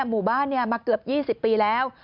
หมู่บ้านมาเกือบ๒๐ปีแล้ว